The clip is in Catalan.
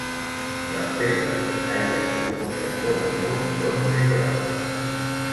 Les pedres dels caires i d'algun sector del mur són més grosses.